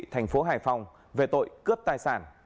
thành phố hải phòng về tội cướp tài sản